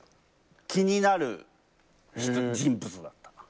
気になる人物だったから。